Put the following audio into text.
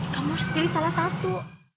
kamu harus jadi salah satu